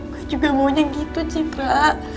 gue juga maunya gitu citra